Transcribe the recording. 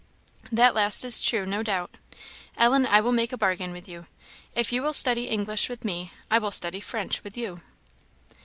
"That last is true, no doubt. Ellen, I will make a bargain with you, if you will study English with me, I will study French with you."